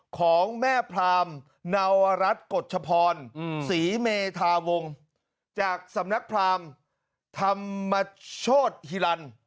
ของแม่พราหมณ์นาวรัฐกฎชพรอืมศรีเมธาวงศ์จากสำนักพราหมณ์ธรรมชโชธฮิลันทร์